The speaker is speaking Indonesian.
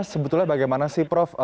sebetulnya bagaimana sih prof